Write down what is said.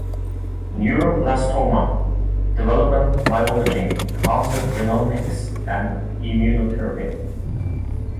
Neuroblastoma: developmental biology, cancer genomics and immunotherapy.